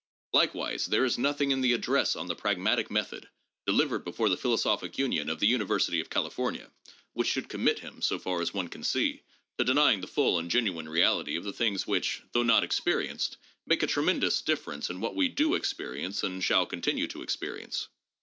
Likewise there is nothing in the address on the pragmatic method, delivered before the Philosophical Union of the University of Cal ifornia, which should commit him, so far as one can see, to deny ing the full and genuine reality of the things which, though not experienced, make a tremendous difference in what we do experi ence and shall continue to experience.